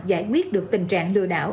giải quyết được tình trạng lừa đảo